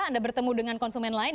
anda bertemu dengan konsumen lain